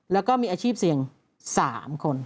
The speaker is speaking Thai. แล้วก็มีอาชีพเสี่ยง๓คน